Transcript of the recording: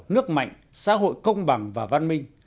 nước mạnh xã hội công bằng và văn minh